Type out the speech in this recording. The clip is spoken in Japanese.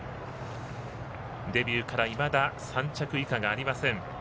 デビューからいまだ３着以下がありません。